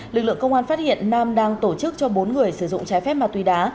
lực lượng công an phát hiện nam đang tổ chức cho bốn người sử dụng trái phép ma túy đá